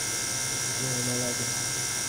J’ai un malade.